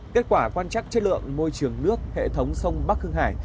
kết quả quan chắc chất lượng môi trường nước hệ thống sông bắc hưng hải